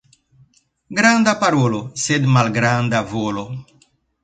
Granda parolo, sed malgranda volo.